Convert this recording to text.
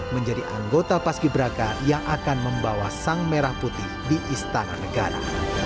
menjadi anggota paski beraka yang akan membawa sang merah putih di istana negara